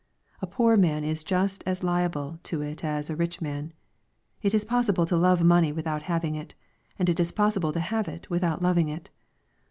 A poor man is just as liable to it as a rich man. It is possible to love money without having it, and it is possible to have it without loving it.